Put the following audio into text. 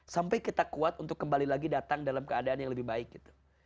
sampai kita kuat untuk kembali lagi datang dalam keadaan yang lebih baik gitu